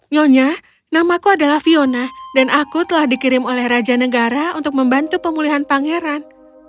nyonya namaku adalah fiona dan aku telah dikirim oleh raja negara untuk membantu pemulihan pangeran